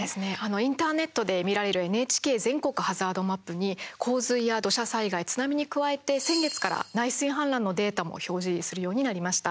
インターネットで見られるＮＨＫ全国ハザードマップに洪水や土砂災害、津波に加えて先月から内水氾濫のデータも表示するようになりました。